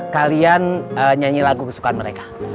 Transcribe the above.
kalian nyanyi lagu kesukaan mereka